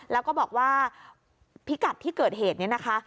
แล้วก็บอกว่าพิกัดที่เกิดเหตุนี้นะคะ